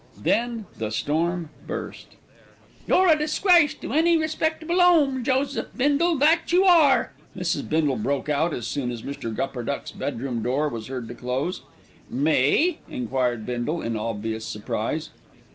Then the storm burst. "You're a disgrace to any respectable 'ome, Joseph Bindle, that you are," Mrs. Bindle broke out as soon as Mr. Gupperduck's bedroom door was heard to close. "Me?" enquired Bindle in obvious surprise.